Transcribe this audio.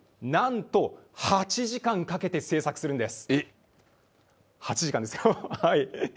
なんと８時間かけて製作するんです。